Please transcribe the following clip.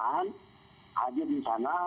yang ada di sana